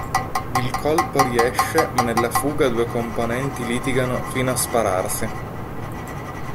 Il colpo riesce ma nella fuga due componenti litigano fino a spararsi.